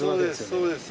そうです